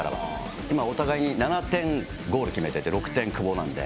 今、お互いに７点ゴールを決めていて、６点、久保なんで。